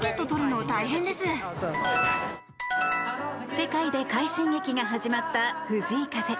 世界で快進撃が始まった藤井風。